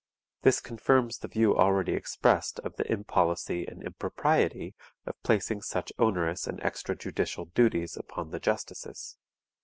This confirms the view already expressed of the impolicy and impropriety of placing such onerous and extra judicial duties upon the justices.